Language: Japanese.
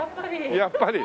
やっぱり！